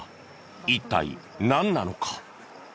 一体なんなのか？